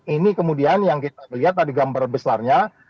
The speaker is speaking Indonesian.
ini kemudian yang kita lihat tadi gambar besarnya